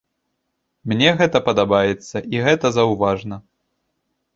Мне гэта падабаецца і гэта заўважна!